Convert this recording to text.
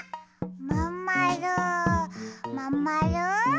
まんまるまんまる？